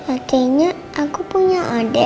artinya aku punya adek